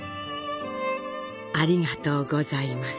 ありがとうございます。